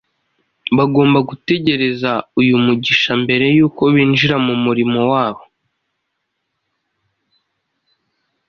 Bagombaga gutegereza uyu mugisha mbere y’uko binjira mu murimo wabo.